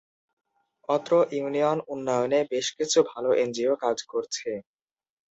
অত্র ইউনিয়ন উন্নয়নে বেশ কিছু ভালো এনজিও কাজ করছে।